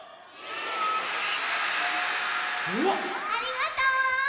ありがとう！